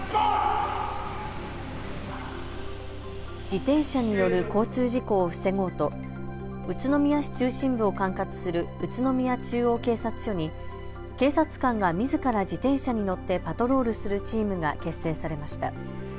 自転車による交通事故を防ごうと宇都宮市中心部を管轄する宇都宮中央警察署に警察官がみずから自転車に乗ってパトロールするチームが結成されました。